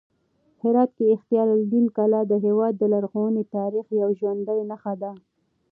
هرات کې اختیار الدین کلا د هېواد د لرغوني تاریخ یوه ژوندۍ نښه ده.